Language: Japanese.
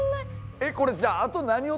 えっこれじゃあ。